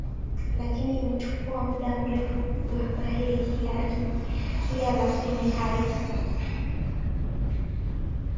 lakini imechukuwa muda mrefu sana gormahia ilikaribia lakini haiku